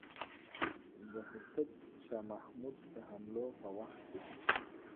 د هوتک شاه محمود د حملو په وخت کې.